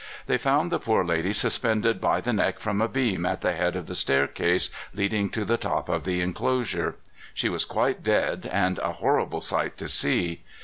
They found the poor lady suspended by the neck from a beam at the head of the staircase leading to the top of the inclosure. She was quite dead, and a horrible sight to see.